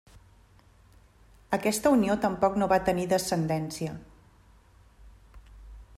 Aquesta unió tampoc no va tenir descendència.